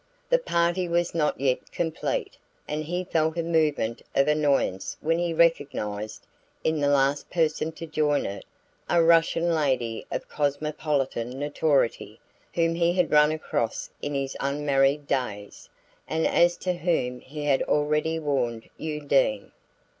The party was not yet complete, and he felt a movement of annoyance when he recognized, in the last person to join it, a Russian lady of cosmopolitan notoriety whom he had run across in his unmarried days, and as to whom he had already warned Undine.